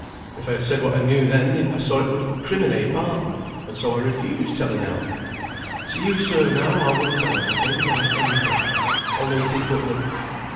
If I had said what I knew then, I saw it would criminate Barton, and so I refused telling aught. To you, sir, now I will tell every thing and any thing; only it is but little.